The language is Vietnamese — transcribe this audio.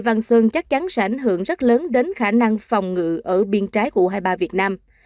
lê văn xuân chắc chắn sẽ ảnh hưởng rất lớn đến khả năng phòng ngự ở biên trái của u hai mươi ba việt nam